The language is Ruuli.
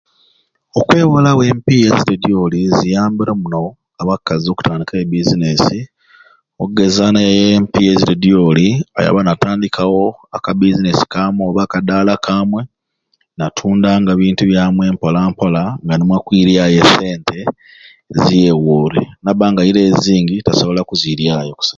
Okwewola empiiya ezidyolidyoli ziyambire muno abakazi okutandikawo ebbiizineesi okugeza naiayo empiiya ezidyolidyoli ayaba natandikawo eka bizinesi kamwe oba kadaala kamwe n'atundanga bintu byamwe mpolamplola nga nimwo akwiryayo esente ziyewoore nabba nga aireyo zingi tasobola kuziryayo kusai